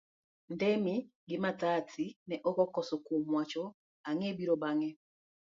Ndemi gi Mathathi ne ok okoso kuom wacho ang'e biro bange.